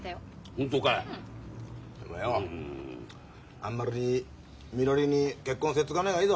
あんまりみのりに結婚せっつかない方がいいぞ。